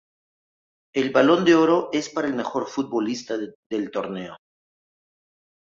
El Balón de Oro es para el mejor futbolista del torneo.